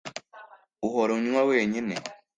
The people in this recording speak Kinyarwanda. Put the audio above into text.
Uhora unywa wenyine